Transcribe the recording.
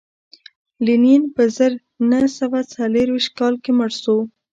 لینین په زر نه سوه څلرویشت کال کې مړ شو